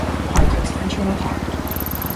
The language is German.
Heute ist ein schöner Tag.